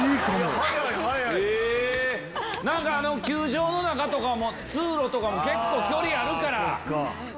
球場の中とかも通路とかも結構距離あるから。